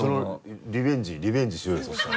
リベンジしようよそしたら。